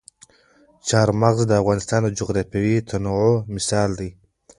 چار مغز د افغانستان د جغرافیوي تنوع مثال دی.